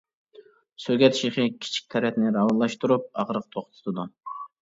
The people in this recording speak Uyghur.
سۆگەت شېخى: كىچىك تەرەتنى راۋانلاشتۇرۇپ، ئاغرىق توختىتىدۇ.